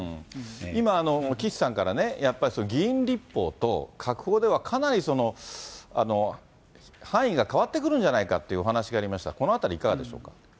今、岸さんからね、やっぱり議院立法と閣法では、かなり範囲が変わってくるんじゃないかっていうお話がありました。